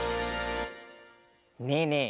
ねえねえ